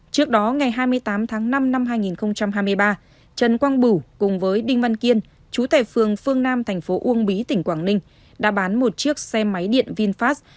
trước đó ngày hai mươi tám tháng năm năm hai nghìn hai mươi ba trần quang bửu cùng với đinh văn kiên chú tại phường phương nam thành phố uông bí tỉnh quảng ninh đã bán một chiếc xe máy điện vinfast